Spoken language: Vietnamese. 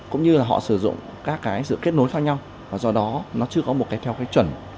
cũng như là họ sử dụng các cái sự kết nối khác nhau và do đó nó chưa có một cái theo cái chuẩn